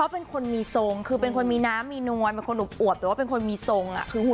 เป็นคนมีน้ำมีนวดบอกผมเป็นคน